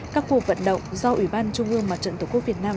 các cuộc vận động do ủy ban trung ương mặt trận tổ quốc việt nam